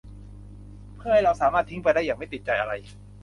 เพื่อให้เราสามารถทิ้งไปได้อย่างไม่ติดใจอะไร